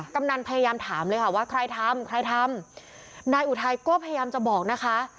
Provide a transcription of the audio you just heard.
กำนันพยายามถามเลยค่ะว่าใครทำใครทำนายอุทัยก็พยายามจะบอกนะคะ